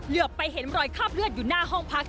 ไปเห็นรอยคาบเลือดอยู่หน้าห้องพัก